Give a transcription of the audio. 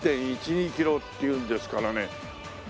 １．１１．２キロっていうんですからね。